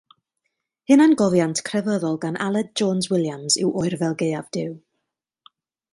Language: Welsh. Hunangofiant crefyddol gan Aled Jones Williams yw Oerfel Gaeaf Duw.